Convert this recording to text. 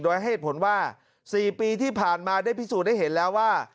โดยเหตุผลว่า๔ปีที่ผ่านมาได้พิสูจน์ให้เห็นแล้วว่า